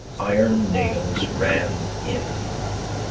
Iron nails ran in.